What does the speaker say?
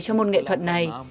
cho môn nghệ thuật này